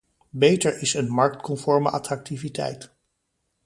Beter is een marktconforme attractiviteit.